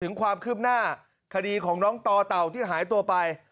ความคืบหน้าคดีของน้องต่อเต่าที่หายตัวไป